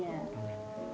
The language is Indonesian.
bisa lebih ini